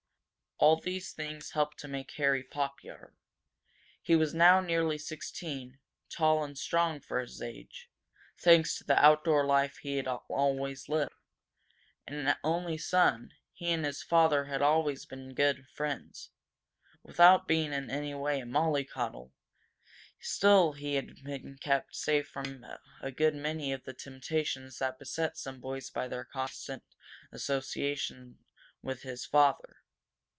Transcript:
All these things helped to make Harry popular. He was now nearly sixteen, tall and strong for his age, thanks to the outdoor life he had always lived. An only son, he and his father had always been good friends. Without being in any way a molly coddle, still he had been kept safe from a good many of the temptations that beset some boys by the constant association with his father.